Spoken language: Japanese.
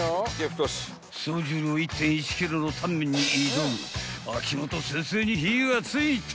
［総重量１．１ｋｇのタンメンに挑む秋元先生に火が付いた］